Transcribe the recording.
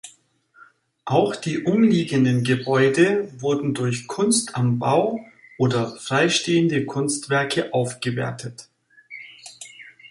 Auch die umliegenden Gebäude wurden durch Kunst am Bau oder freistehende Kunstwerke aufgewertet.